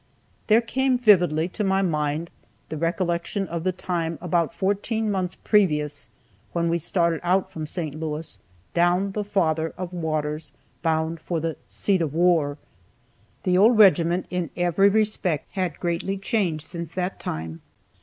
There came vividly to my mind the recollection of the time, about fourteen months previous, when we started out from St. Louis, down the "Father of Waters," bound for the "seat of war." The old regiment, in every respect, had greatly changed since that time.